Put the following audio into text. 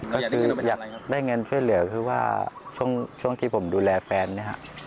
ก็คืออยากได้เงินช่วยเหลือคือว่าช่วงที่ผมดูแลแฟนเนี่ย